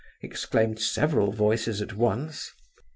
exclaimed several voices at once.